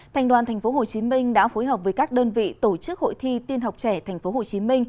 thành đoàn tp hcm đã phối hợp với các đơn vị tổ chức hội thi tiên học trẻ tp hcm